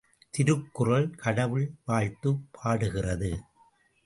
திருக்குறள் கடவுள் வாழ்த்துப் பாடுகிறது.